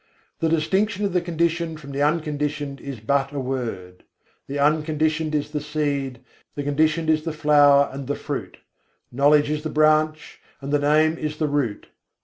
The distinction of the Conditioned from the Unconditioned is but a word: The Unconditioned is the seed, the Conditioned is the flower and the fruit. Knowledge is the branch, and the Name is the root.